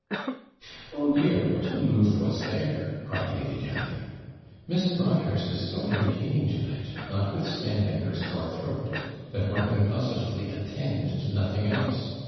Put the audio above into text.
'Oh dear! what a move was there!' cried Lady Catharine. 'Miss Broadhurst is so entertaining to night, notwithstanding her sore throat, that one can positively attend to nothing else.